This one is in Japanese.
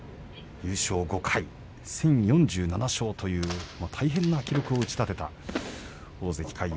優勝５回、１０４７勝という大変な記録を打ちたてた大関魁皇。